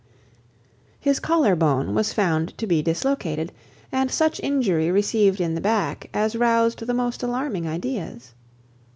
His collar bone was found to be dislocated, and such injury received in the back, as roused the most alarming ideas.